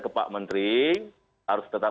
ke pak menteri harus tetap